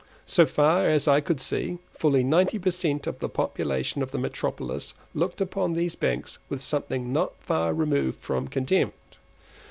So far as I could see, fully ninety per cent. of the population of the metropolis looked upon these banks with something not far removed from contempt.